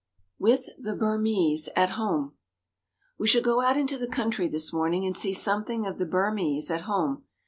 WITH THE BURMESE AT HOME WE shall go out into the country this morning and see something of the Burmese at home.